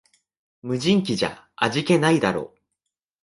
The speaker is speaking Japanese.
無人機じゃ味気ないだろ